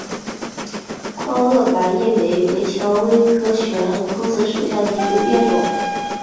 宽萼白叶莓为蔷薇科悬钩子属下的一个变种。